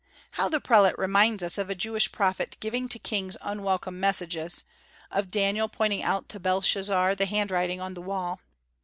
How the prelate reminds us of a Jewish prophet giving to kings unwelcome messages, of Daniel pointing out to Belshazzar the handwriting on the wall!